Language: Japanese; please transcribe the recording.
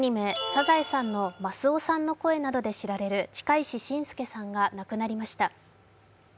「サザエさん」のマスオさんの声などで知られる近石真介さんが亡くなりました。